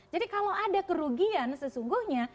jadi kalau ada kerugian sesungguhnya